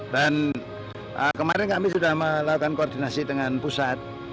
dan kemarin kami sudah melakukan koordinasi dengan pusat